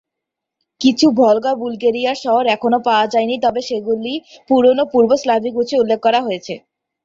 কিছু ভলগা বুলগেরিয়ার শহর এখনও পাওয়া যায়নি, তবে সেগুলি পুরানো পূর্ব স্লাভিক উৎসে উল্লেখ করা হয়েছে।